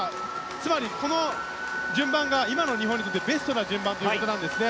つまり、この順番が今の日本にとってベストな順番ということなんですね。